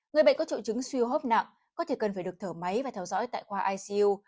người bệnh có triệu chứng siêu hấp nặng có thể cần phải được thở máy và theo dõi tại khoa icu